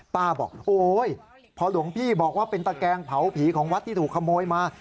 บอกโอ๊ยพอหลวงพี่บอกว่าเป็นตะแกงเผาผีของวัดที่ถูกขโมยมา